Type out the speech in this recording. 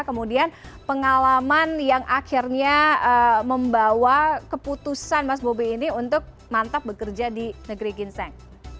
kemudian pengalaman yang akhirnya membawa keputusan mas bobi ini untuk mantap bekerja di negeri ginseng